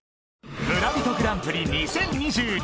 村人グランプリ２０２２